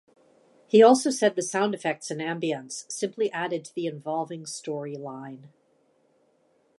He also said the sound effects and ambience simply added to the involving storyline.